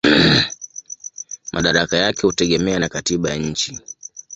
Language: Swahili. Madaraka yake hutegemea na katiba ya nchi.